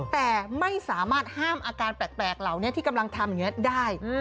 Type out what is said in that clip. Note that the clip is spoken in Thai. แต่ไม่สามารถห้ามอาการแปลกเหล่านี้ที่กำลังทำอย่างนี้ได้